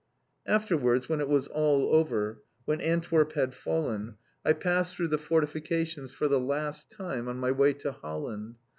Afterwards, when all was over, when Antwerp had fallen, I passed through the fortifications for the last time on my way to Holland.